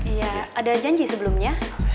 iya ada janji sebelumnya